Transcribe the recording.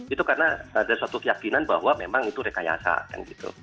itu karena ada suatu keyakinan bahwa memang itu rekayasa